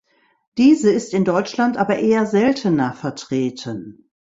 Diese ist in Deutschland aber eher seltener vertreten.